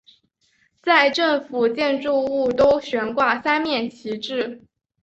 在政府建筑物都悬挂三面旗帜。